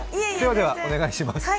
ではお願いします。